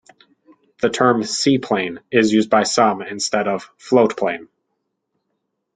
The term "seaplane" is used by some instead of "floatplane".